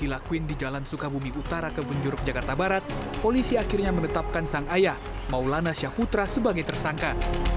setelah pembunuhan bayi tiga bulan di jalan sukabumi utara kebun jeruk jakarta barat polisi akhirnya menetapkan sang ayah maulana syaputra sebagai tersangka